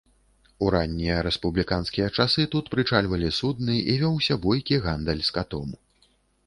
У раннія рэспубліканскія часы тут прычальвалі судны і вёўся бойкі гандаль скатом.